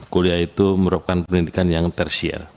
kuliah itu merupakan pendidikan yang tersiar